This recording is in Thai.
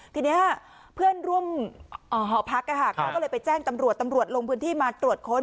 ทีนี้เพื่อนร่วมหอพักเขาก็เลยไปแจ้งตำรวจตำรวจลงพื้นที่มาตรวจค้น